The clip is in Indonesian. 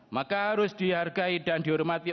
maka harus dihargai dan dihormati